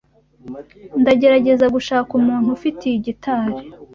Ndagerageza gushaka umuntu ufite iyi gitari.